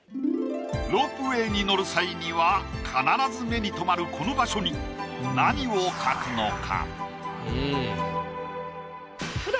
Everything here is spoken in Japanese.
ロープウェイに乗る際には必ず目に留まるこの場所に何を描くのか？